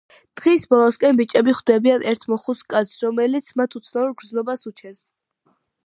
დღის ბოლოსკენ, ბიჭები ხვდებიან ერთ მოხუც კაცს, რომელიც მათ უცნაურ გრძნობას უჩენს.